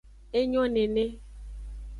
Enyo nene.